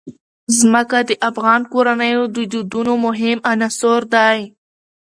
ځمکه د افغان کورنیو د دودونو مهم عنصر دی.